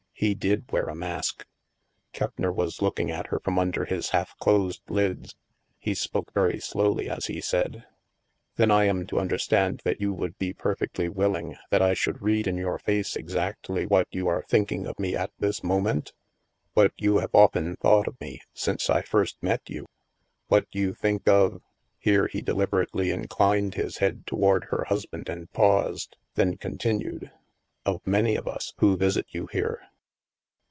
He did wear a mask. Keppner was looking at her from under his half closed lids. He spoke very slowly as he said :'* Then I am to understand that you would be per fectly willing that I should read in your face ex 154 THE MASK actly what you are thinking of me at this moment ? What you have often thought of me, since I first met you? What you think of —" here he dehberately inclined his head toward her husband and paused, then continued —" of many of us, who visit you here?"